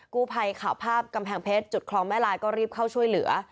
กู้ภัยข่าวภาพกำแพงเพชรจุดคลองแม่ลายก็รีบเข้าช่วยเหลือ